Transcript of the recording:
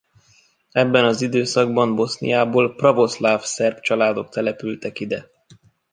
Ebben az időszakban Boszniából pravoszláv szerb családok települtek ide.